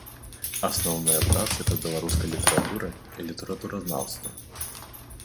Асноўныя працы па беларускай літаратуры і літаратуразнаўстве.